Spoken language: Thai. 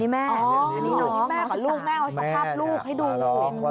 อันนี้แม่กับลูกแม่เอาสภาพลูกให้ดูคุณ